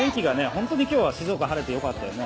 ほんとに今日は静岡晴れてよかったよね」